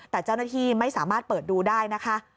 แต่เจ้าหน้าที่ไม่สามารถเปิดดูได้นะคะ